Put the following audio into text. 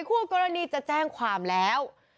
คู่กรณีจะแจ้งความแล้ว